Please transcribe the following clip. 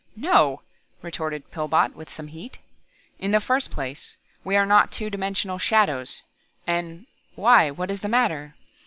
"No!" retorted Pillbot with some heat. "In the first place, we are not two dimensional shadows, and why, what is the matter?"